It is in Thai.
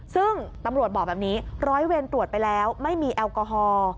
ซึ่งตำรวจบอกแบบนี้ร้อยเวรตรวจไปแล้วไม่มีแอลกอฮอล์